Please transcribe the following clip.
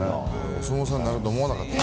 お相撲さんになると思わなかった。